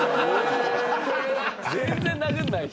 全然殴んない。